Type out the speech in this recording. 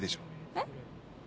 えっ？